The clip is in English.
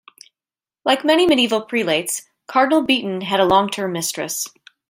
Like many medieval prelates, Cardinal Beaton had a long-term mistress.